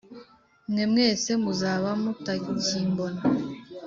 mwe mwese muzaba mutakimbona: